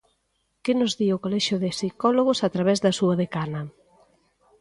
¿Que nos di o Colexio de Psicólogos a través da súa decana?